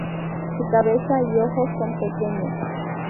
Su cabeza y ojos son pequeños.